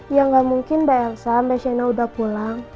ya gak mungkin mbak elsa mbak sienna udah pulang